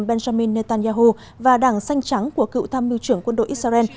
benjamin netanyahu và đảng xanh trắng của cựu tham mưu trưởng quân đội israel